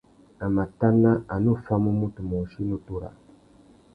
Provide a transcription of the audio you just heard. A mà tana a nu famú mutu môchï nutu râā.